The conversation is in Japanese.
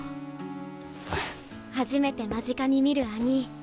初めて間近に見る兄ィ。